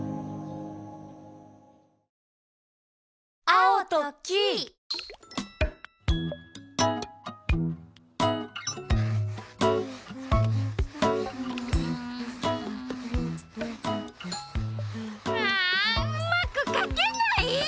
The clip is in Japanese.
ああうまくかけない！